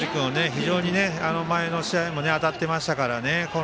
非常に前の試合も当たっていましたからね